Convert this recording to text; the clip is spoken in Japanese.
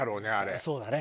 そうだね。